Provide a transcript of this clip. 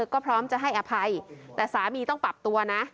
ก็พร้อมจะให้อภัยแต่สามีต้องปรับตัวนะ